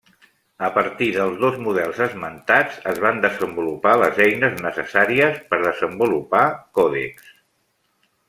A partir dels dos models esmentats es van desenvolupar les eines necessàries per desenvolupar còdecs.